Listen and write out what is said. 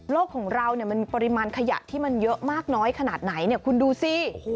ของเรามันปริมาณขยะที่มันเยอะมากน้อยขนาดไหนเนี่ยคุณดูสิ